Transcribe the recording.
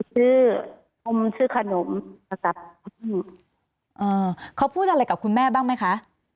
ชื่ออมชื่อขนมนะครับเขาพูดอะไรกับคุณแม่บ้างไหมคะ